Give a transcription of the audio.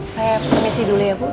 saya pemici dulu ya bu